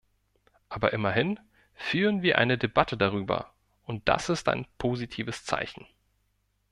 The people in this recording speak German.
Aber immerhin führen wir eine Debatte darüber, und das ist ein positives Zeichen.